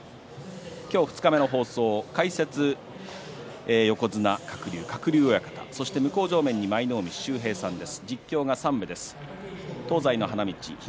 今日、二日目の放送解説、横綱鶴竜、鶴竜親方向正面に舞の海秀平さんです。